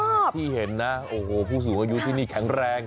อันนี้หนึ่งที่เห็นเนาะฮูผู้สูงอายุที่นี่แข็งแรง